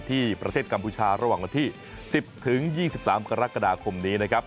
ที่ประเทศกัมพูชาระหว่างที่๑๐๒๓กรกฎาคมนี้